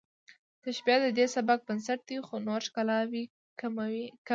تشبیه د دې سبک بنسټ دی خو نورې ښکلاوې کمې دي